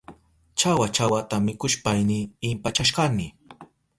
Chawa chawata mikushpayni impachashkani.